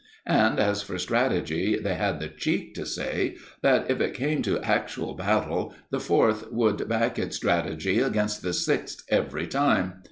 And as for strategy, they had the cheek to say that, if it came to actual battle, the Fourth would back its strategy against the Sixth every time.